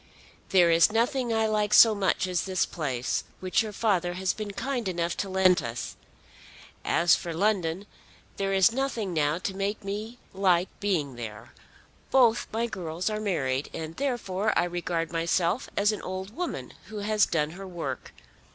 "There is nothing I like so much as this place, which your father has been kind enough to lend us. As for London, there is nothing now to make me like being there. Both my girls are married, and therefore I regard myself as an old woman who has done her work.